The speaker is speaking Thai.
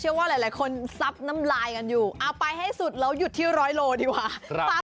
ว่าหลายคนซับน้ำลายกันอยู่เอาไปให้สุดแล้วหยุดที่ร้อยโลดีกว่า